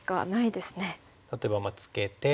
例えばツケて。